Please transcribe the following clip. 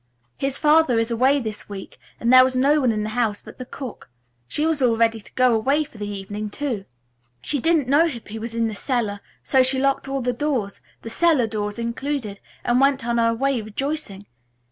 His father is away this week and there was no one in the house but the cook. She was all ready to go away for the evening, too. She didn't know Hippy was in the cellar, so she locked all the doors, the cellar door included, and went on her way rejoicing.